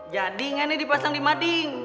jadi gak nih dipasang di mading